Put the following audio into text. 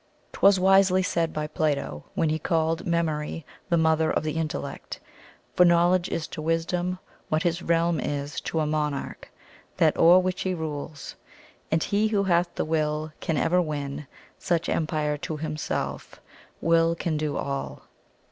'Twas wisely said by Plato, when he called Memory "the mother of the Intellect," For knowledge is to wisdom what his realm Is to a monarch that o'er which he rules; And he who hath the Will can ever win Such empire to himself Will can do all.